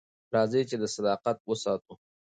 راځئ چې دا صداقت وساتو.